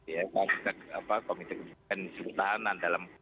ya komite kebijakan dan tahanan dalam